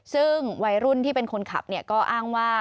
ซึ่งวัยรุ่นที่เป็นคนขับก็อ้างว่า